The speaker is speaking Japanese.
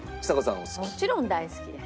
もちろん大好きです。